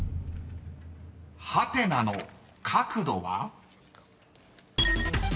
［ハテナの角度は？］